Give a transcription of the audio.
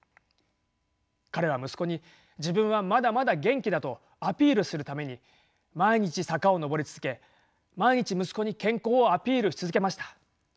彼は息子に自分はまだまだ元気だとアピールするために毎日坂を上り続け毎日息子に健康をアピールし続けました。